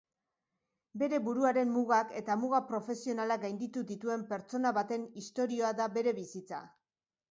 Bere buruaren mugak eta muga profesionalak gainditu dituen pertsona baten istoria da bere bizitza.